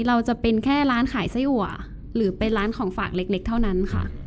เราจะเป็นแค่ร้านขายไส้อัวหรือเป็นร้านของฝากเล็กเท่านั้นค่ะ